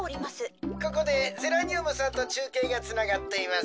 ここでゼラニュームさんとちゅうけいがつながっています。